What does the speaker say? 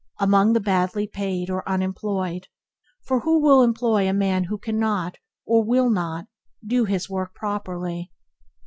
Among the badly paid or unemployed; for who will employ a man who cannot, or will not, do his work properly?